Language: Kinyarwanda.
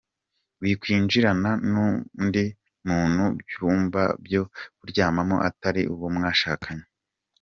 Wikwinjirana n’undi muntu mu byumba byo kuryamamo atari uwo mwashakanye.